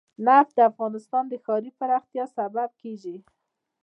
نفت د افغانستان د ښاري پراختیا سبب کېږي.